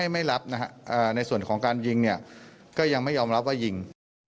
ไม่รับในส่วนของการยิงก็ยังไม่ยอมรับว่ายิง